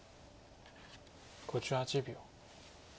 ５８秒。